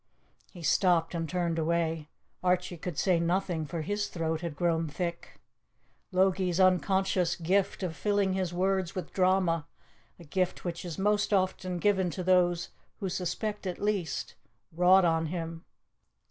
..." He stopped and turned away; Archie could say nothing, for his throat had grown thick. Logie's unconscious gift of filling his words with drama a gift which is most often given to those who suspect it least wrought on him.